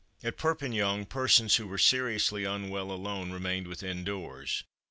"At Perpignan persons who were seriously unwell alone remained within doors.